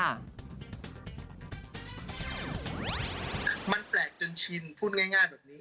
มันแปลกจนชินพูดง่ายแบบนี้